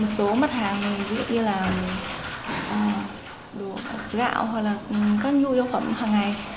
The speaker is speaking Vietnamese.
một số mắt hàng như gạo hoặc các nhu yếu phẩm hàng ngày